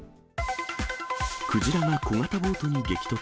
クジラが小型ボートに激突。